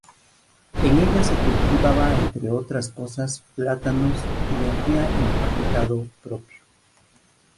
En ella se cultivaba entre otras cosas plátanos y había empaquetado propio.